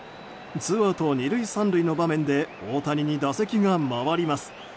ツーアウト２塁３塁の場面で大谷に打席が回ります。